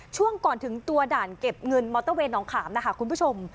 ช่วงก่อนถึงตัวด่านเก็บเงินมอเตอร์เวย์น้องขามนะคะคุณผู้ชม